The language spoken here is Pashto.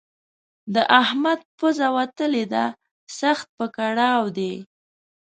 د احمد پزه وتلې ده؛ سخت په کړاو دی.